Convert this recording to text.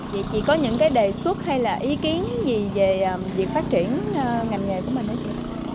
vậy chị có những cái đề xuất hay là ý kiến gì về việc phát triển ngành nghề của mình hả chị